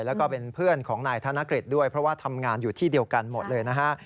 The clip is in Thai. แล้วก็เป็นเพื่อนของนายธนกฤษด้วยเพราะว่าทำงานอยู่ที่เดียวกันหมดเลยนะฮะ